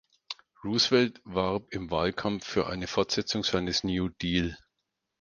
Roosevelt warb im Wahlkampf für eine Fortsetzung seines New Deal.